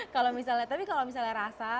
kalau misalnya tapi kalau misalnya rasa